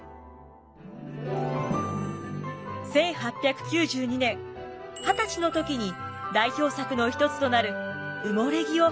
１８９２年二十歳の時に代表作の一つとなる「うもれ木」を発表。